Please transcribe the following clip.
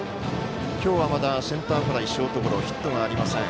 今日はまだセンターフライショートゴロヒットがありません。